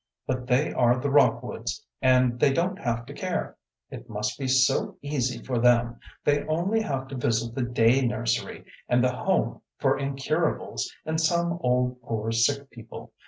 "But they are the Rockwoods and they don't have to care. It must be so easy for them; they only have to visit the Day Nursery, and the Home for Incurables, and some old, poor, sick people.